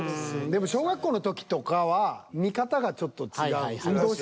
でも小学校の時とかは見方がちょっと違う。